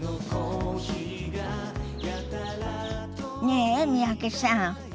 ねえ三宅さん。